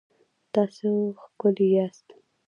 تاسو ښکلي یاست